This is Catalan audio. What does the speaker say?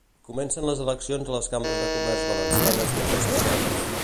Comencen les eleccions a les cambres de comerç valencianes més disputades.